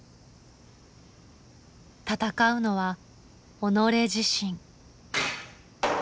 戦うのは己自身。